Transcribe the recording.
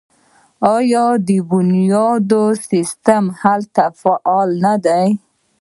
آیا د بنیادونو سیستم هلته فعال نه دی؟